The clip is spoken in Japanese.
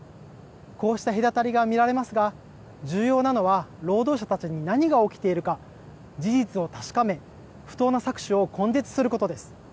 こうした隔たりが見られますが、重要なのは労働者たちに何が起きているか、事実を確かめ、不当な搾取を根絶することです。